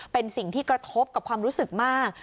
เป็นสิ่งที่กระทบกับความรู้สึกมาก